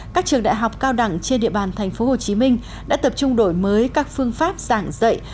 các trường đại học cao đẳng trên địa bàn thành phố hồ chí minh đã tập trung đổi mới các phương pháp giảng dạy